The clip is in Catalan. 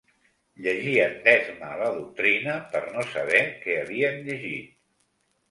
Llegien d'esma la doctrina per no saber que havien llegit